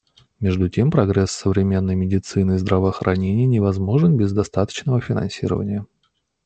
Между тем, прогресс современной медицины и здравоохранения невозможен без достаточного финансирования.